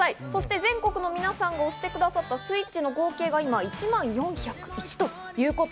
全国の皆さんが押してくださったスイッチの合計が、１万４０１と。